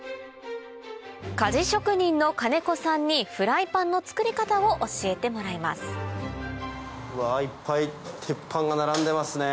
鍛冶職人の金子さんにフライパンの作り方を教えてもらいますわいっぱい鉄板が並んでますね。